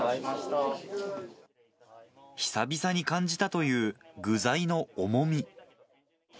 久々に感じたという具材の重み。